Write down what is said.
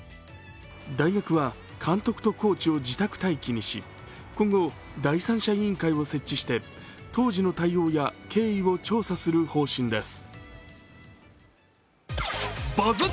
大学は監督とコーチを自宅待機にし、今後、第三者委員会を設置して当時の対応や経緯を調査する方針です。